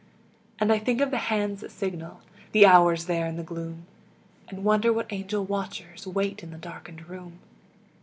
And I think of the hands that signal The hours there in the gloom, And wonder what angel watchers Wait in the darkened room.